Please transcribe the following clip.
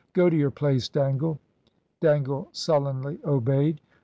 Go to your place, Dangle." Dangle sullenly obeyed.